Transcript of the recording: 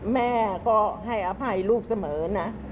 แม่ก็ให้อภัยลูกเสมอนะ